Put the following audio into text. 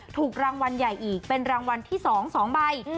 ถูกรางวัลใหญ่อีกเป็นรางวัลที่๒๒ใบ